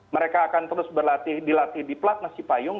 mereka akan terus berlatih dilatih di pelatnas cipayung